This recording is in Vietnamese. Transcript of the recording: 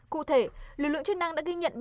cụ thể lực lượng chức năng đã ghi nhận